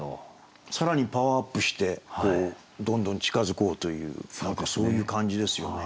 更にパワーアップしてどんどん近づこうという何かそういう感じですよね。